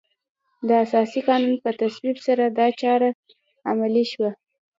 د اساسي قانون په تصویب سره دا چاره عملي شوه.